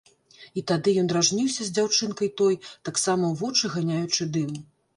І тады ён дражніўся з дзяўчынкай той, таксама ў вочы ганяючы дым.